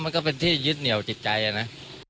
มันก็เป็นที่ยึดเหนียวจิตใจนะ